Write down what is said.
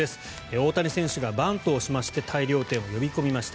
大谷選手がバントをしまして大量点を呼び込みました。